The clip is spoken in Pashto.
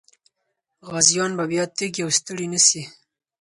غازيان به بیا تږي او ستړي نه سي.